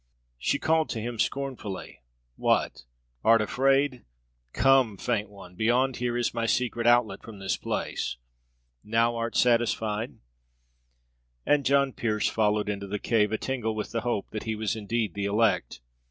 She called to him, scornfully: "What, art afraid? Come, faint one; beyond here is my secret outlet from this place. Now art satisfied?" And John Pearse followed into the cave, a tingle with the hope that he was indeed the elect.